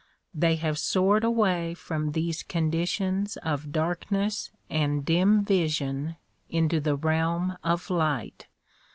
They have soared away from these conditions of darkness and dim vision into the realm of light.